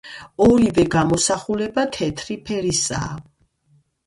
ორივე გამოსახულება თეთრი ფერისაა.